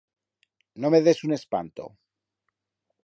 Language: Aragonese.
No me dés un espanto.